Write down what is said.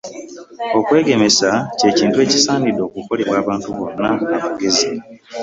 Okwegemesa ky'ekintu ekisaanidde okukolebwa abantu bonna abagezi.